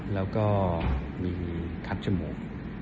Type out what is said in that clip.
แล้วก็มีทับจมูก